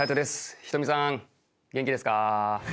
仁美さん元気ですか？